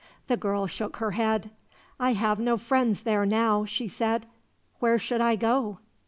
The girl shook her head. "I have no friends there, now," she said. "Where should I go?"